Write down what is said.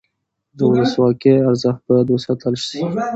د ولسواکۍ ارزښت باید وساتل شي